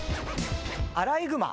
アライグマ。